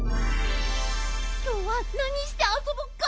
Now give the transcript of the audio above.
きょうはなにしてあそぼうか？